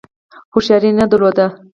هوښیاري نه درلوده.